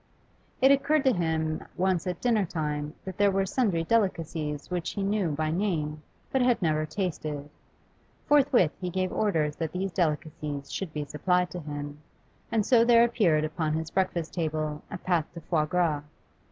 It occurred to him once at dinner time that there were sundry delicacies which he knew by name but had never tasted; forthwith he gave orders that these delicacies should be supplied to him, and so there appeared upon his breakfast table a pate de foie gras.